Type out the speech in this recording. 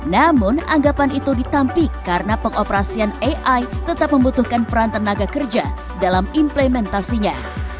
namun anggapan itu ditampik karena pengoperasian ai tetap membutuhkan peran tenaga kerja dalam implementasinya